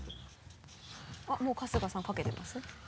あっもう春日さん書けてます？